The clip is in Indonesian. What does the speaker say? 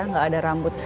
enggak ada rambut